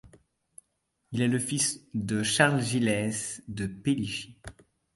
Il est le fils de Charles Gillès de Pélichy.